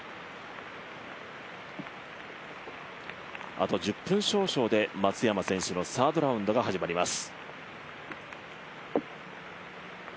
あと１０分少々で松山選手のサードラウンドが始まります。